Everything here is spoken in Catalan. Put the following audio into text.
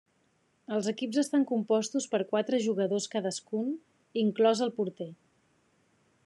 Els equips estan compostos per quatre jugadors cadascun, inclòs el porter.